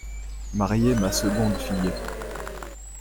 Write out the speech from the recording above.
Marier ma seconde fille.